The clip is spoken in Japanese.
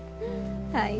はい。